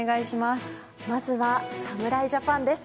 まずは侍ジャパンです。